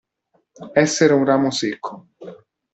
Essere un ramo secco.